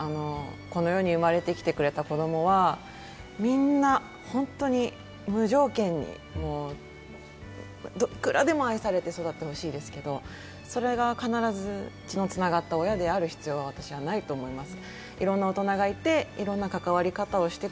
この世に生まれてきてくれた子供はみんな、本当に無条件にどこからも愛されて育ってほしいですけれども、それが必ず血のつながった親である必要はないと私は思います。